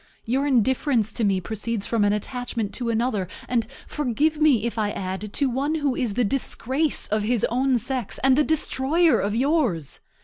Your indifference to me proceeds from an attachment to another, and, forgive me if I add, to one who is the disgrace of his own sex and the destroyer of yours.